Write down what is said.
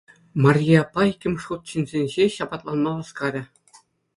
Марье аппа иккӗмӗш хут чӗнсен ҫеҫ апатланма васкарӗ.